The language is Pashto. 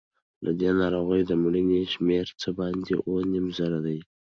له دې ناروغۍ د مړینې شمېر څه باندې اووه نیم زره دی.